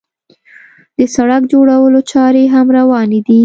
د سړک جوړولو چارې هم روانې دي.